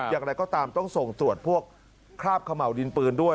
อย่างไรก็ตามต้องส่งตรวจพวกคราบเขม่าวดินปืนด้วย